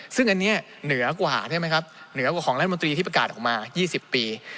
ซึ่งอันนี้เหนือกว่าของแรงมบุตรีที่ประกาศออกมา๒๐ปี